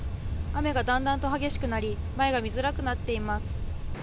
雨がだんだんと激しくなり前が見づらくなっています。